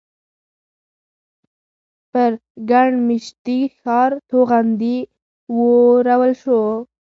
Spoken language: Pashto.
پر ګڼ مېشتي ښار توغندي وورول شول.